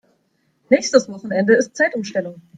Nächstes Wochenende ist Zeitumstellung.